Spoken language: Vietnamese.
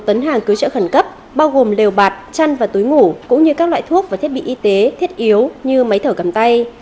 các quốc gia đã gửi hàng viện trợ khẩn cấp bao gồm lều bạc chăn và túi ngủ cũng như các loại thuốc và thiết bị y tế thiết yếu như máy thở cầm tay